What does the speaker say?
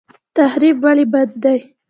تخریب ولې بد دی؟